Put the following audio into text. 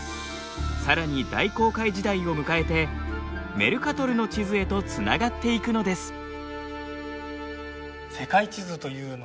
さらに大航海時代を迎えてメルカトルの地図へとつながっていくのです。